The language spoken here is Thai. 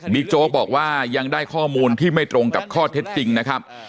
โจ๊กบอกว่ายังได้ข้อมูลที่ไม่ตรงกับข้อเท็จจริงนะครับ